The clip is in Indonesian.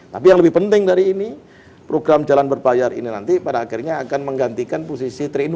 tapi yang lebih penting dari ini program jalan berbayar ini nanti pada akhirnya akan menggantikan posisi tiga in satu